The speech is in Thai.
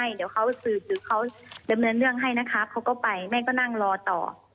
เดี๋ยวเขาสืบหรือเขาดำเนินเรื่องให้นะคะเขาก็ไปแม่ก็นั่งรอต่อ